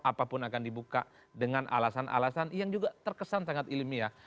apapun akan dibuka dengan alasan alasan yang juga terkesan sangat ilmiah